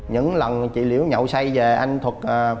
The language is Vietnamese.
những lần chị liễu nhậu say về anh thuật